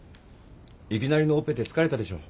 いきなりのオペで疲れたでしょう。